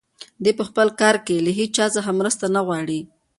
دی په خپل کار کې له هیچا څخه مرسته نه غواړي.